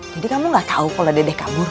jadi kamu gak tau kalau dedek kabur